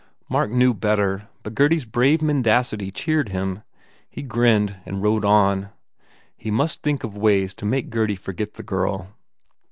Mark knew better but Gurdy s brave mendacity cheered him. He grinned and rode on. He must think of ways to make Gurdy forget the girl.